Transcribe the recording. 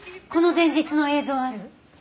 この前日の映像ある？